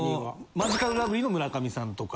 マヂカルラブリーの村上さんとか。